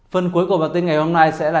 phần cuối của bản tin ngày hôm nay sẽ là